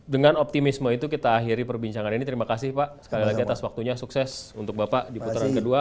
dengan optimisme itu kita akhiri perbincangan ini terima kasih pak sekali lagi atas waktunya sukses untuk bapak di putaran kedua